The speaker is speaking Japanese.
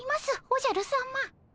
おじゃるさま。